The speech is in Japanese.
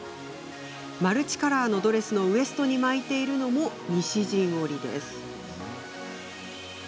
マルチカラーのドレスのウエストに巻いているのも西陣織。